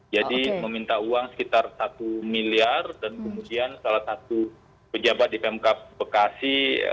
jadi meminta uang sekitar satu miliar dan kemudian salah satu pejabat di pemkap bekasi